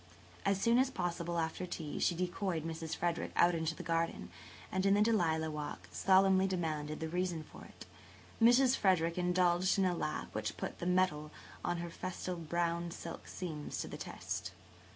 As soon as possible after tea she decoyed Mrs. Frederick out into the [Page 140] garden and in the dahlia walk solemnly demanded the reason of it all. Mrs. Frederick indulged in a laugh which put the mettle of her festal brown silk seams to the test.